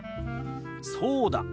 そうだ。